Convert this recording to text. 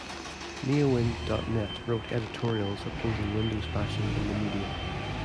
Neowin dot net wrote editorials opposing Windows-bashing in the media.